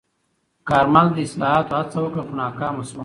کارمل د اصلاحاتو هڅه وکړه، خو ناکامه شوه.